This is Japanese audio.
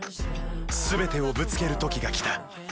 全てをぶつける時が来た。